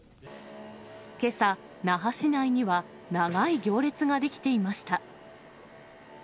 けさ、那覇市内には長い行列が出来ていました。